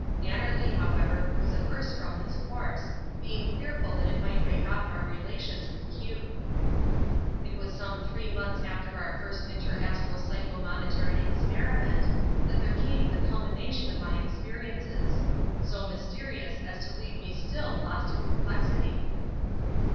Annerly, however, was averse from this course, being fearful that it might break off our relations with Q. It was some three months after our first inter astral psycho monetary experiment, that there came the culmination of my experiences—so mysterious as to leave me still lost in perplexity.